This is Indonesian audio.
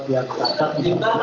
tidak ada perang